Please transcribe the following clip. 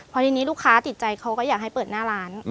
พอทีนี้ลูกค้าติดใจเขาก็อยากให้เปิดหน้าร้าน